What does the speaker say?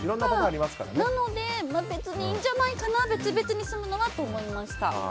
なので、別にいいんじゃないかな別々に住むのはって思いました。